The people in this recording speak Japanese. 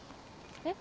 え？